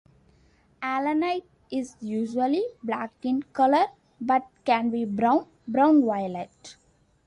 Allanite is usually black in color, but can be brown, brown-violet.